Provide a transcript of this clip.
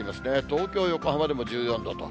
東京、横浜でも１４度と。